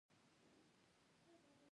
بشرپالنه یوازې سیاسي شعارونه نه دي.